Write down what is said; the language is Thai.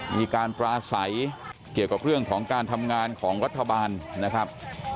มีการปราศัยเกี่ยวกับเรื่องของการทำงานของรัฐบาลนะครับ